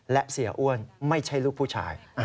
และเสียอ้วนไม่ใช่ลูกผู้ชาย